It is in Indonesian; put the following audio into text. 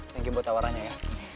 thank you buat tawarannya ya